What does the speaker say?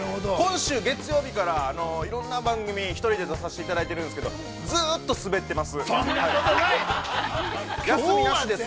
今週月曜日からいろんな番組、１人で出させていただいてるんですけど、ずっとスベってます。